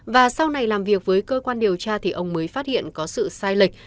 và sau này làm việc với cơ quan điều tra thì ông mới phát hiện có sự sai lệch